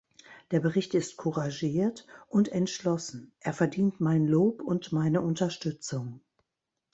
Der Bericht ist couragiert und entschlossen, er verdient mein Lob und meine Unterstützung.